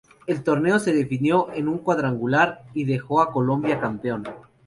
El torneo se definió en un cuadrangular y dejo a Colombia campeón.